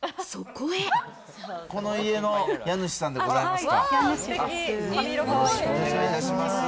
この家の家主さんでございますか？